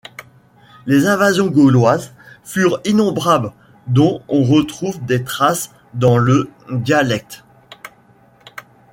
Les invasions gauloises furent innombrables dont on retrouve des traces dans le dialecte.